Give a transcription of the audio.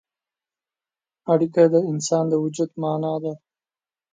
اړیکه د انسان د وجود معنا ده.